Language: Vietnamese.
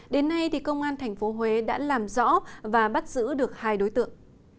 đến nay công an tp huế đã làm rõ và bắt giữ được hai đối tượng